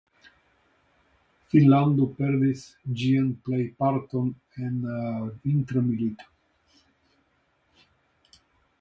Finnlando perdis ĝian plejparton en Vintra milito.